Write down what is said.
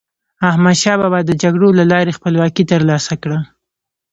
احمدشاه بابا د جګړو له لارې خپلواکي تر لاسه کړه.